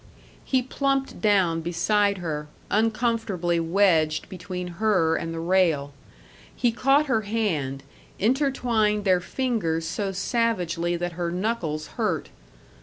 He plumped down beside her, uncomfortably wedged between her and the rail. He caught her hand, intertwined their fingers so savagely that her knuckles hurt.